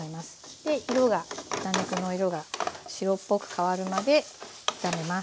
で色が豚肉の色が白っぽく変わるまで炒めます。